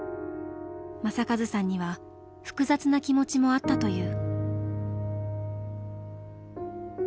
正和さんには複雑な気持ちもあったという。